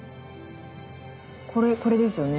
これこれですよね。